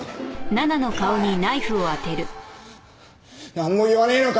なんも言わねえのか？